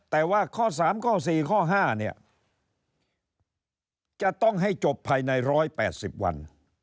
แต่ว่าข้อ๓ข้อ๔ข้อ๕เนี่ยจะต้องให้จบภายใน๑๘๐วัน